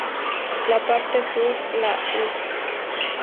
La parte sur, la Urb.